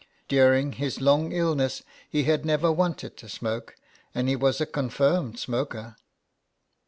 During his long illness he had never wanted to smoke, and he was a confirmed smoker.